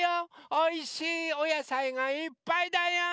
おいしいおやさいがいっぱいだよ！